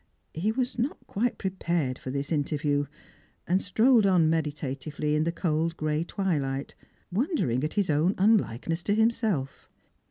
He was not quite prepared for this interview, and strolled on meditatively, in the cold gray twilight, wondering at his own Tinlikeness to himself.